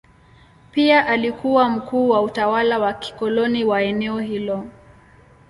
Pia alikuwa mkuu wa utawala wa kikoloni wa eneo hilo.